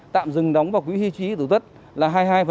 tạm dừng đóng và quý trí tổ chức là hai mươi hai